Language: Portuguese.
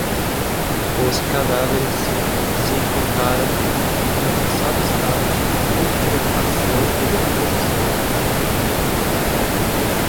Os cadáveres se encontraram em avançado estado de putrefação e decomposição